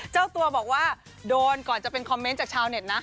เจ้าตัวบอกว่าโดนก่อนจะเป็นคอมเมนต์จากชาวเน็ตนะ